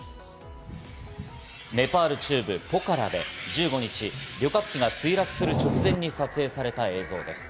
ネパール中部ポカラで１５日、旅客機が墜落する直前に撮影された映像です。